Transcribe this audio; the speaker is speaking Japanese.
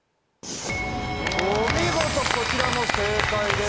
お見事こちらも正解です。